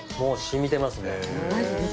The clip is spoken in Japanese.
染みてますね。